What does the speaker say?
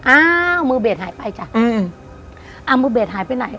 อ้าวมือเบสหายไปจ้ะอืมอ่ามือเบสหายไปไหน